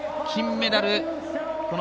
金メダル